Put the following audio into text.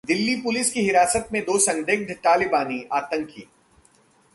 Delhi police की हिरासत में दो संदिग्ध तालिबानी आतंकी